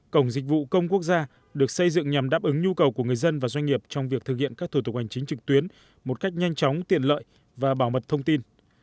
cổng dịch vụ công quốc gia được xây dựng nhằm đáp ứng nhu cầu của người dân và doanh nghiệp trong việc thực hiện các thủ tục hành chính trực tuyến một cách nhanh chóng tiện lợi và bảo mật thông tin